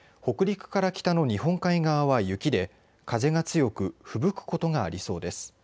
北陸から北の日本海側は雪で風が強くふぶくことがありそうです。